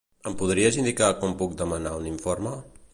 Em podries indicar com puc demanar un informe?